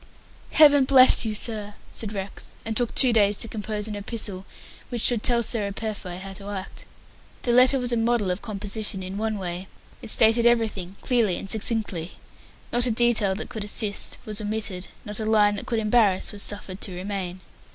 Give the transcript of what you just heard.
"Heaven bless you, sir,". said Rex, and took two days to compose an epistle which should tell Sarah Purfoy how to act. The letter was a model of composition in one way. It stated everything clearly and succinctly. Not a detail that could assist was omitted not a line that could embarrass was suffered to remain.